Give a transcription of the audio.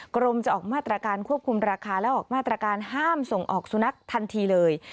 กรมจะออกมาตรการควบคุมราคาและออกมาตรการห้ามส่งออกสุนัขทันทีเลย